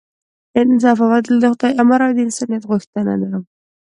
انصاف او عدل د خدای امر او د انسانیت غوښتنه ده.